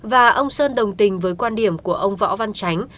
và ông sơn đồng tình với quan điểm của ông võ văn chánh